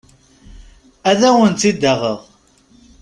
Ad awen-tt-id-aɣeɣ.